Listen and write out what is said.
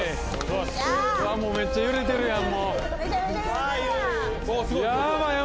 めっちゃ揺れてるやん。